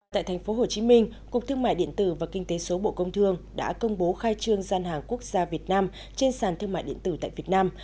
tại thành phố hồ chí minh cục thương mại điện tử và kinh tế số bộ công thương đã công bố khai trương gian hàng quốc gia việt nam trên sàn thương mại điện tử tại việt nam